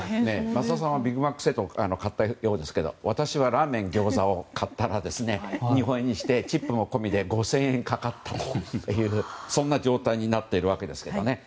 増田さんはビッグマックセットを買ったようですが私はラーメンとギョーザを買ったら、日本円にしてチップ込みで５０００円かかったというそんな状態になっているわけですけどね。